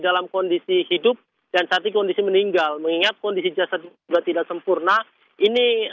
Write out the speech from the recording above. dalam kondisi hidup dan saat ini kondisi meninggal mengingat kondisi jasad juga tidak sempurna ini